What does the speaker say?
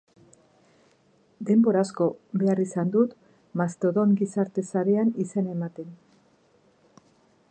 Denbora asko behar izan dut Mastodon gizarte sarean izena ematen.